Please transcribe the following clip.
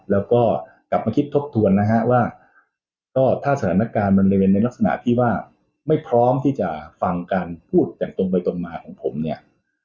แล้วก็กลับมาคิดทบทวนนะฮะว่าก็ถ้าสถานการณ์มันเรียนในลักษณะที่ว่าไม่พร้อมที่จะฟังการพูดอย่างตรงไปตรงมาของผมเนี่ย